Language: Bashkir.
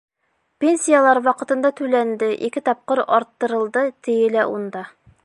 Пенсиялар ваҡытында түләнде, ике тапҡыр арттырылды, тиелә унда.